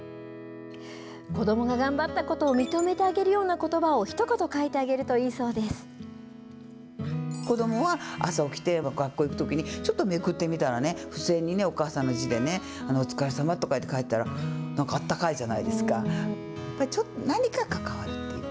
子どもが頑張ったことを認めてあげるようなことばを、ひと言子どもは朝起きて、学校行くときに、ちょっとめくってみたら、付箋にね、お母さんの字でね、お疲れさまとか書いてあったら、なんかあったかいじゃないですか。